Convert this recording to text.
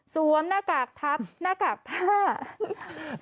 หน้ากากทับหน้ากากผ้า